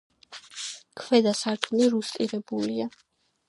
ქვედა სართული რუსტირებულია.